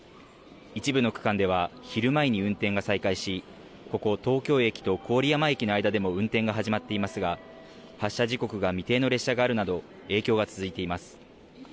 一部の区間では昼前に運転が再開し、ここ、東京駅と郡山駅の間でも運転が始まっていますが発車時刻が未定の列車があるなど影響が続いています。